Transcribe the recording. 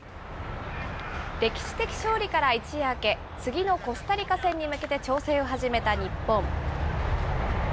歴史的勝利から一夜明け、次のコスタリカ戦に向けて調整を始めた日本。